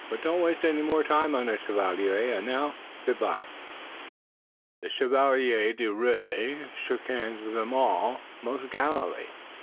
"But don't waste any more time on us, Chevalier. And now good bye!" The Chevalier d'Ouray shook hands with them all most gallantly.